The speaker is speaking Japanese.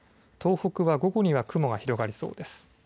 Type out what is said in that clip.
東北は午後には雲が広がりそうです。